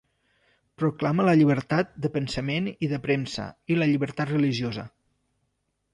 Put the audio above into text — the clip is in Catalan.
Proclama la llibertat de pensament i de premsa, i la llibertat religiosa.